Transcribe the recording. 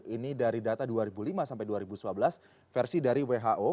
ini dari data dua ribu lima sampai dua ribu sembilan belas versi dari who